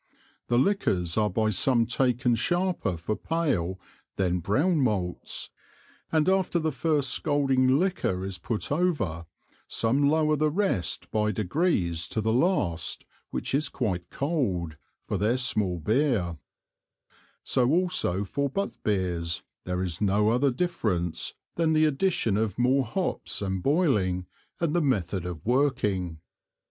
The Liquors are by some taken sharper for pale than brown Malts, and after the first scalding Liquor is put over, some lower the rest by degrees to the last which is quite Cold, for their small Beer; so also for Butt Beers there is no other difference than the addition of more Hops, and boiling, and the method of working.